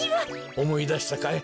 おもいだしたかい？